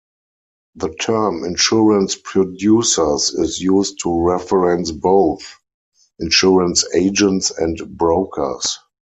The term insurance producers is used to reference both insurance agents and brokers.